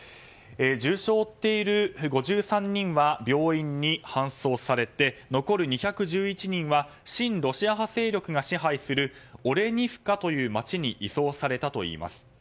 重傷を負っている５３人は病院に搬送されて残る２１１人は親ロシア派勢力が支配するオレニフカという街に移送されたといいます。